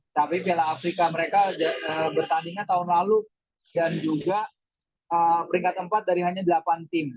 tapi piala afrika mereka bertandingnya tahun lalu dan juga peringkat keempat dari hanya delapan tim